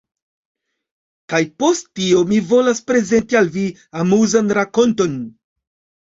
kaj post tio mi volas prezenti al vi amuzan rakonton.